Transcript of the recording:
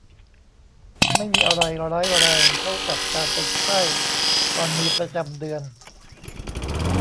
ไม่มีอะไรร้ายแรงเท่ากับการเป็นไข้ตอนมีประจำเดือน